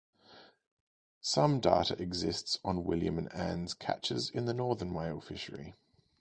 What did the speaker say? Some data exists on "William and Ann"s catches in the Northern Whale Fishery.